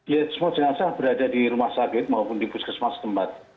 ya semua jenazah berada di rumah sakit maupun di puskesmas tempat